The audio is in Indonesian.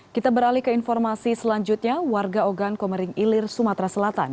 kita beralih ke informasi selanjutnya warga ogan komering ilir sumatera selatan